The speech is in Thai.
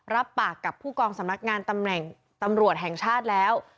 รับปากกับผู้กองสำนักงานตำรวจแห่งชาติแล้ว